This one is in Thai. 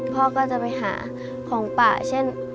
พ่อก็จะไปหาของป่าเช่น